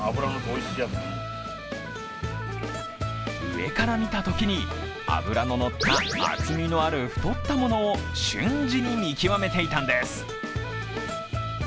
上から見たときに脂ののった厚みのある太ったものを瞬時に見極めていたんです。